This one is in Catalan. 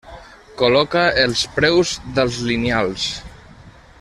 Col·loca els preus dels lineals.